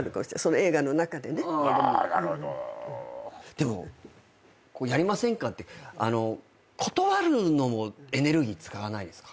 でも「やりませんか？」って断るのもエネルギー使わないですか？